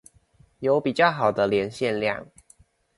有比較好的連線量